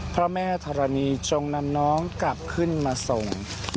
พระแม่ธรณีจงนำน้องกลับขึ้นมาส่ง